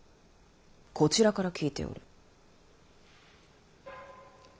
こちらから聞いておる。